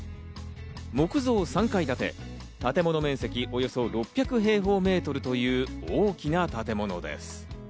木造３階建て、建物面積およそ６００平方メートルという大きな建物です。